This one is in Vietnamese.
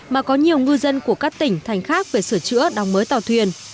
mà có nhiều ngư dân của các tỉnh thành khác về sửa chữa đóng mới tàu thuyền